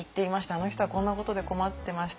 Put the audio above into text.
「あの人はこんなことで困ってました」